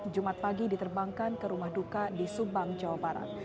jumat pagi diterbangkan ke rumah duka di subang jawa barat